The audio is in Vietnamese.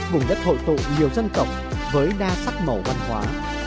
vùng đất hội tụ nhiều dân tộc với đa sắc màu văn hóa